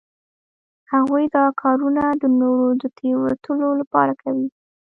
هغوی دا کارونه د نورو د تیروتلو لپاره کوي